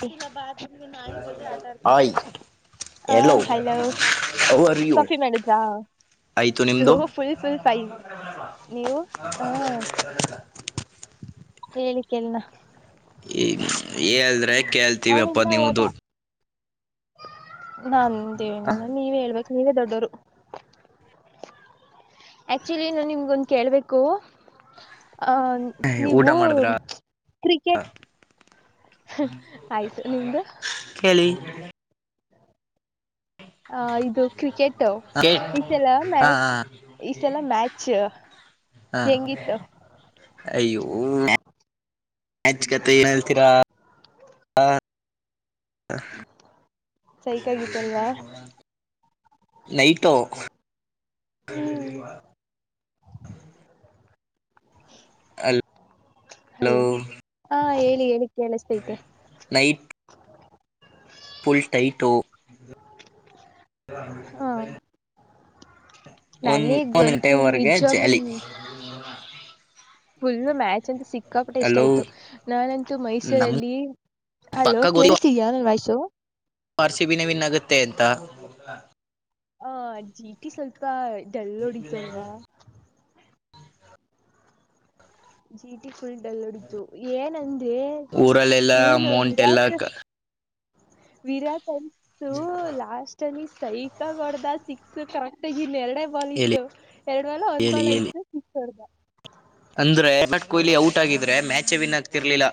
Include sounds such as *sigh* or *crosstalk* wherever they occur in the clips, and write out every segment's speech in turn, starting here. *unintelligible* ಜೊತೆ ಆಟಡ್ತವ್ನೆ ಆಯ್ ಹ ಎಲ್ಲೋ ಹಲೋ ಅವರ್ ಯು ಕಾಫಿ ಮಾಡುದ್ರಾ. ಆಯ್ತು ನಿಮ್ದು ಫುಲ್ ಫುಲ್ ಫೈನ್ ನೀವು ಹ ಹೇಳಿ ಕೇಳನ ಹೇಳಲ್ದ್ರೆ ಕೇಳ್ತೀವಪ್ಪ ಅವನಿಲ್ಲ ನೀವು ದೊಡ್ಡ ನಾಂದೇನಿಲ್ಲ ನೀವೇ ಹೇಳ್ಬೇಕು ನೀವೇ ದೊಡ್ಡೋರು. ಆಕ್ಚುಲಿ ನ ನಿಮ್ಗೊಂದ ಕೇಳ್ಬೇಕು. ಆ ದುಡ್ಡು ನೀವು ಊಟ ಮಾಡಿದ್ರ ಕ್ರಿಕೆಟ್ ಆಯ್ತು ನಿಮ್ದು ಕೇಳಿ ಹ ಇದು ಕ್ರಿಕೆಟ್ ಕೇಟ್ ಈಸಲ ಹಾ ಮ್ಯಾಚ್ ಈ ಸಲ ಮ್ಯಾಚ್ ಹಾ ಹೆಂಗಿತ್ತು. ಅಯ್ಯೋ ಮ್ಯಾಚ್ ಕತೆ ಏನ್ ಹೇಳ್ತೀರಾ. ಸೈಕಾಗಿತ್ತಲ್ವಾ *inaudible* ನೈಟು ಹ್ಮ್ *inaudible* ಅ ಹಲೋ ಹಾ ಹೇಳಿ ಹೇಳಕ್ಕೆ ಅ ಸೈತೆ ಫುಲ್ಟೈಟೋ ಹ ಒನ್ ಒಂದ ನನಗಂತೂ ಟೈಮ್ವರೆಗೆ ಜಾಲಿ ನಿಜವಾಗ್ಲೂ ುಲ್ ಮ್ಯಾಚ್ ಅಂತ ಸಿ ಕಾಪಟ್ಟೆ ಇಷ್ಟ ಹಲೋ ಆಯ್ತು ನಾನಂತೂ ನಮ್ ಮೈಸೂರಲ್ಲಿ ಅಲೋ ಪಕ್ಕ ಗೊತ್ತು ಕೇಳಳ್ತಿದಯ ನನ್ ವಯ್ಸು ಆರ್ ರ್ಸಿಬಿನವಿನ್ಗುತ್ತೆ ಅಂತ ಹ ಜೀಟಿ ಸ್ವಲ್ಪ ಡೆಲ್ಲ ಹೊಡಿತು ಅಲ್ವಾ ಜೀಟಿ ಫುಲ್ ದಲ್ವದಿತು ಏನಂದ ಊರಲ್ಲೆಲ್ಲ ವು ನ ಅಮೌಂಟ್ ಎಲ್ಲ ವಿರಾಟ್ ವಿರಾಟ್ ಅಂತು ಲಾಸ್ಟ್ನಿ ಸೈಕ ಹೊಡದ ಸಿಕ್ಕ ಕರೆಕ್ಟಗ ಇಲ್ಲಿ ಎರಡೇ ಬಾಲ್ ಹೇಳಿ ಇತ್ತು ಎರಡ್ ವಾಲ ಒಂದ್ ಹೇಳಿ ಬಾಲ್ ಹೇಳಿ ಇಐತ್ತು ಸಿಡ್ದ ಅಂದ್ರೆ ವಿರಾಟ್ ಕೊಹ್ಲಿ ಔಟ್ ಆಗಿದ್ರೆ ಮ್ಯಾಚೇ ವಿನ್ ಆಗ್ತಿರ್ಲಿಲ್ಲ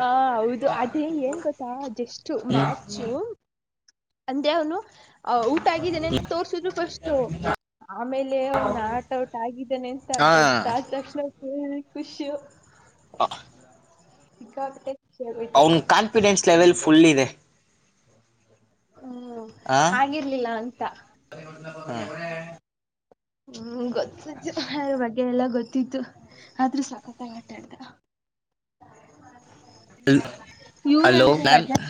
ಹ ಹೌದು ಅದ್ರೆ ಏನ್ ಗೊತ್ತಾ ಜಸ್ು ಮ್ಯಾಸು ಅಂದೆ ಅವನು ಅ ಓಟ್ಗಿದ್ದಾನೆ ಅಂತ ತೋರ್ಸಿದ್ರು ಫಸ್ು ಆಮೇಲೆ ಅವನ್ ನಟ್ ಔಟ್ ಆಗಿದ್ದಾನೆ ಅಂತ ಹಾ ಗೊತ್ತಾದ ತಕ್ಷಣ ು ಖುಷು ಇಗ ಅವನ ಕಾನ್ಫಿಡೆನ್ಸ್ ಲೆವೆಲ್ ಫುಲ್ ಇದೆ ಹ್ಮ್ ಹಾಗಾಗಿರ್ಲಿಲ್ಲ ಅಂತ ರ ಹ್ಮ್ ಗೊತ್ತತ್ತು ಬಗ್ಗೆ ಎಲ್ಲ ಗೊತ್ತಿತ್ತು ಆದ್ರೂ ಸಖತ್ಾಗಿ ಆಟಾಡ್ದ ಹಲೋ ಇವರಂತ ನಾನ್ ರಜಾ